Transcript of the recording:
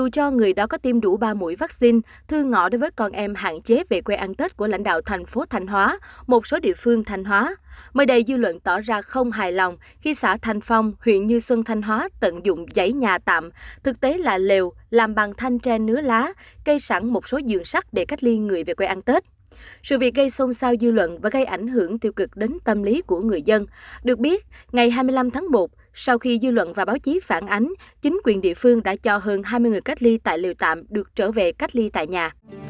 chính quyền địa phương đã cho hơn hai mươi người cách ly tại liều tạm được trở về cách ly tại nhà